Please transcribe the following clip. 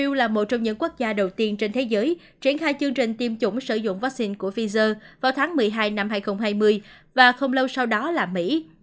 eu là một trong những quốc gia đầu tiên trên thế giới triển khai chương trình tiêm chủng sử dụng vaccine của pfizer vào tháng một mươi hai năm hai nghìn hai mươi và không lâu sau đó là mỹ